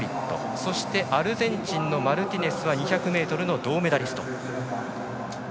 そして、アルゼンチンのマルティネスは２００ｍの銅メダリスト。